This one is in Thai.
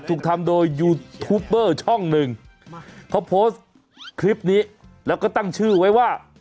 ถูกทำโดยยูทูปเบอร์ช่องหนึ่งเขาโพสต์คลิปนี้แล้วก็ตั้งชื่อไว้ว่า